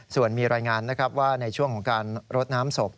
ส่วนมีรายงานนะครับว่าในช่วงของการรดน้ำศพ